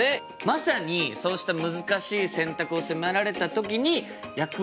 まさにそうした難しい選択を迫られた時に役に立つ。